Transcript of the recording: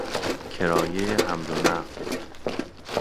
کرایه حمل و نقل